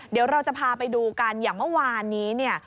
เดี๋ยวเราจะพาไปดูกันอย่างเมื่อวานนี้เนี่ย